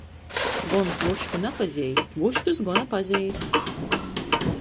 Gons vušku napazeist, vuškys gona pazeist.